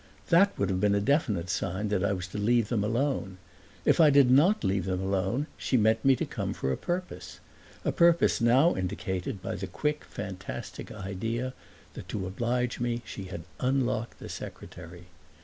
That would have been a definite sign that I was to leave them alone. If I did not leave them alone she meant me to come for a purpose a purpose now indicated by the quick, fantastic idea that to oblige me she had unlocked the secretary.